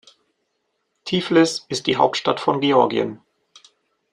Tiflis ist die Hauptstadt von Georgien.